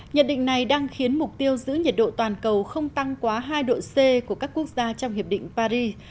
nhận định này đang khiến mục tiêu giữ nhiệt độ toàn cầu không tăng quá hai độ c của các quốc gia trong hiệp định paris